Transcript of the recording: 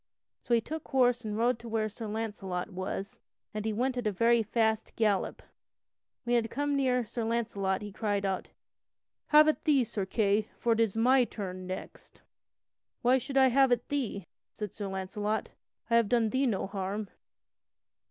So he took horse and rode to where Sir Launcelot was, and he went at a very fast gallop. When he had come near to Sir Launcelot he cried out: "Have at thee, Sir Kay, for it is my turn next!" "Why should I have at thee?" said Sir Launcelot, "I have done thee no harm."